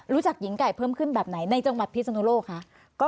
รู้จักหญิงไก่เพิ่มขึ้นแบบไหนในจังหวัดพิษลูกค่ะ